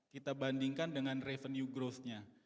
kita bandingkan dengan revenue growthnya